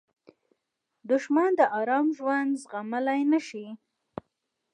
دښمن د آرام ژوند زغملی نه شي